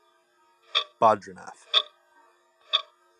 Badrinath.